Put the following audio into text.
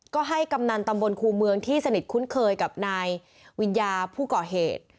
ก็ให้กำนันตำบลครูเมืองที่สนิทคุ้นเคยกับนายวิญญาผู้ก่อเหตุ